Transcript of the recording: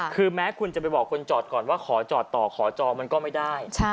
คือแม้คุณจะไปบอกคนจอดก่อนว่าขอจอดต่อขอจองมันก็ไม่ได้